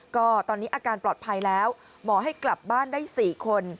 ก็ตอนนี้อาการปลอดภัยแล้วหมอให้กลับบ้านได้๔คน